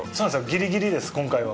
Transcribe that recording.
ギリギリです、今回は。